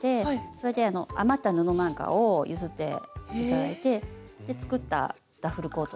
それで余った布なんかを譲って頂いて作ったダッフルコート。